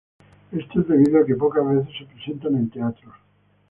Esto es debido a que pocas veces se presentan en Teatros.